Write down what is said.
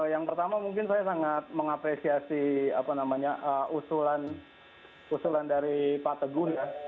yang pertama mungkin saya sangat mengapresiasi usulan dari pak teguh ya